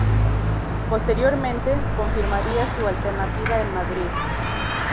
Posteriormente, confirmaría su alternativa en Madrid.